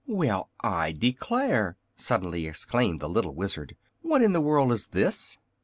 "Well, I declare!" suddenly exclaimed the little Wizard. "What in the world is this?"